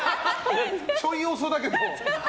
ちょい遅だけど。